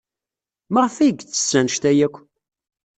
Maɣef ay yettess anect-a akk?